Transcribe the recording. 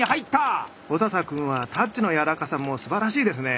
小佐々君はタッチの柔らかさもすばらしいですね。